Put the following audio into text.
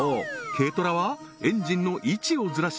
軽トラはエンジンの位置をずらし